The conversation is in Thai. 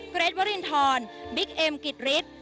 เกรดเวอรินทรบิ๊กเอมกิตริส